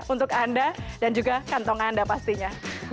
untuk anda dan juga kantong anda pastinya